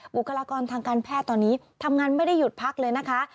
บุคลากรทางการแพทย์ตอนนี้ทำงานไม่ได้หยุดพักเลยนะคะ